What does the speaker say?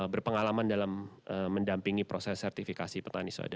berpengalaman dalam mendampingi proses sertifikasi petani swadaya